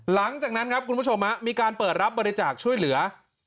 หลังจากนั้นครับคุณผู้ชมมีการเปิดรับบริจาคช่วยเหลือ